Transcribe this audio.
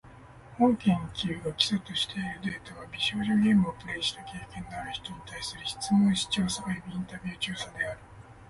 本研究が基礎としているデータは、美少女ゲームをプレイした経験のある人に対する質問紙調査およびインタビュー調査である。